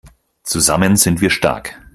Zusammen sind wir stark